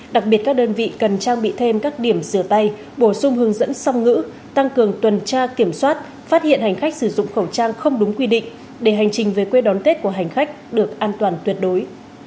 đặc biệt các đơn vị cần trang bị thêm các điểm sửa tay bổ sung hướng dẫn song ngữ tăng cường tuần tra kiểm soát phát hiện hành khách sử dụng khẩu trang không đúng quy định để hành trình về quê đón tết của hành khách được an toàn tuyệt đối